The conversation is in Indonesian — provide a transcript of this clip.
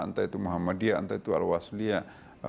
entah itu muhammadiyah entah itu al wasliyah